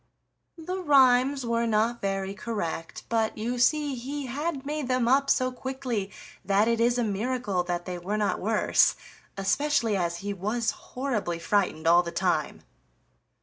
The rhymes were not very correct, but you see he had made them up so quickly that it is a miracle that they were not worse; especially as he was horribly frightened all the time.